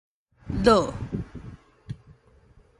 惱